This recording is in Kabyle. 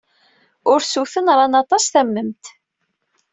Ursuten ran aṭas tamemt.